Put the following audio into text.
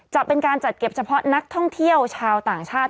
จะเป็นการจัดเก็บเฉพาะนักท่องเที่ยวชาวต่างชาติ